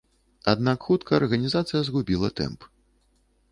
Аднак хутка арганізацыя згубіла тэмп.